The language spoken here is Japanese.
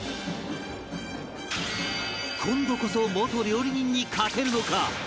今度こそ元料理人に勝てるのか？